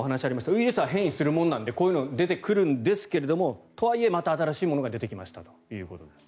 ウイルスは変異するものなのでこういうものが出てくるんですがとはいえまた新しいものが出てきましたと。